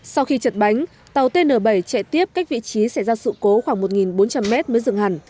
sau khi chật bánh tàu tn bảy chạy tiếp cách vị trí xảy ra sự cố khoảng một bốn trăm linh mét mới dừng hẳn